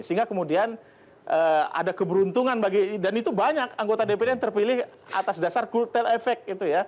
sehingga kemudian ada keberuntungan bagi dan itu banyak anggota dpd yang terpilih atas dasar kulterefek